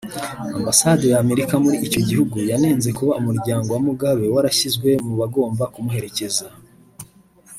Ambasade ya Amerika muri icyo gihugu yanenze kuba Umuryango wa Mugabe warashyizwe mu bagomba kumuherekeza